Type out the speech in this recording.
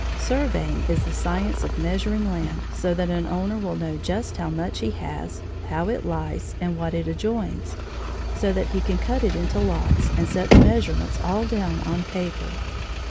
Surveying is the science of measuring land so that an owner will know just how much he has, how it lies, and what it adjoins, so that he can cut it into lots and set the measurements all down on paper.